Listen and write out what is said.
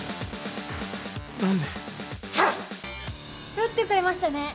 撃ってくれましたね。